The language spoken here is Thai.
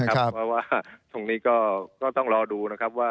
เพราะว่าตรงนี้ก็ต้องรอดูนะครับว่า